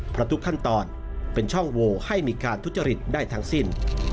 เพราะทุกขั้นตอนเป็นช่องโวให้มีการทุจริตได้ทั้งสิ้น